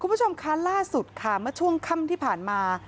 คุณผู้ชมคะล่าสุดค่ะเมื่อช่วงค่ำที่ผ่านมา